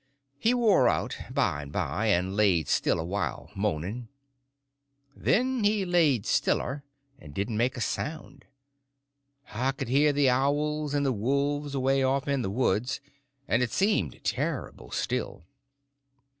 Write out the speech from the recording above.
He wore out by and by, and laid still a while, moaning. Then he laid stiller, and didn't make a sound. I could hear the owls and the wolves away off in the woods, and it seemed terrible still.